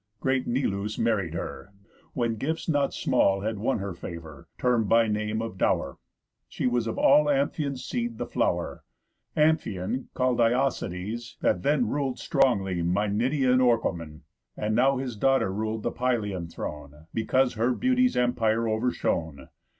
Great Neleus married her, when gifts not small Had won her favour, term'd by name of dow'r. She was of all Amphion's seed the flow'r; Amphion, call'd Iasides, that then Rul'd strongly Myniæan Orchomen, And now his daughter rul'd the Pylian throne, Because her beauty's empire overshone.